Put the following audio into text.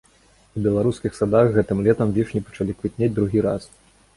У беларускіх садах гэтым летам вішні пачалі квітнець другі раз.